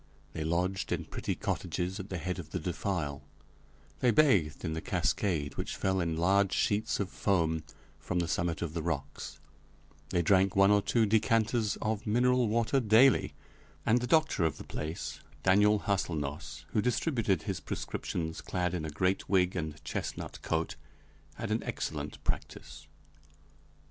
They lodged in pretty cottages at the head of the defile; they bathed in the cascade, which fell in large sheets of foam from the summit of the rocks; they drank one or two decanters of mineral water daily, and the doctor of the place, Daniel Hâselnoss, who distributed his prescriptions clad in a great wig and chestnut coat, had an excellent practice.